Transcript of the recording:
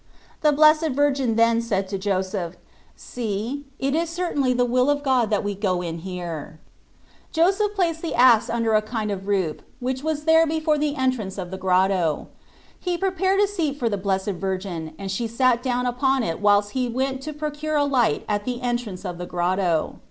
The Blessed Virgin then said to Joseph :" See, it is certainly the will of God that we go in here." Joseph placed the ass under a kind of roof which there was before the entrance of the grotto : he prepared a. seat for the Blessed Virgin and she sat down upon it whilst he went to procure a light at the entrance of the grotto.